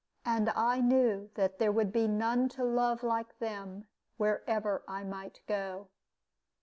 And I knew that there would be none to love like them, wherever I might go.